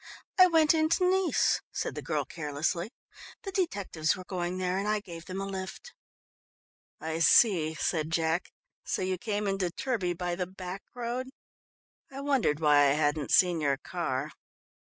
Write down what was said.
"I went into Nice," said the girl carelessly. "The detectives were going there and I gave them a lift." "I see," said Jack, "so you came into Turbie by the back road? I wondered why I hadn't seen your car."